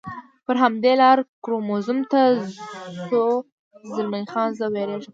پر همدې لار کورمونز ته ځو، زلمی خان: زه وېرېږم.